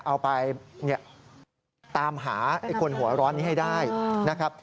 เอาไปตามหาไอ้คนหัวร้อนนี้ให้ได้นะครับ